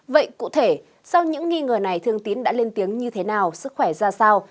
vậy cụ thể sau những nghi ngờ này thương tín đã lên tiếng như thế nào sức khỏe ra sao